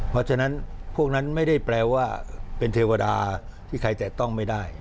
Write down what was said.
เพราะฉะนั้นพวกนั้นไม่ได้แปลว่าเป็นเทวดาที่ใครแตะต้องไม่ได้